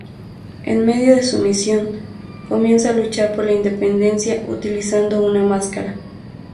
En medio de su misión, comienza a luchar por la independencia, utilizando una máscara.